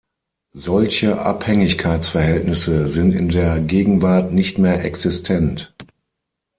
Solche Abhängigkeitsverhältnisse sind in der Gegenwart nicht mehr existent.